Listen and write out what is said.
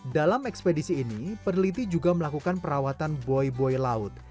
dalam ekspedisi ini peneliti juga melakukan perawatan bui buaya laut